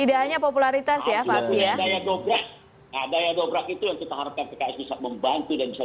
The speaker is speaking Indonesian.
tidak hanya popularitas artinya daya dobrak daya dobrak itu yang kita harapkan pks bisa membantu dan bisa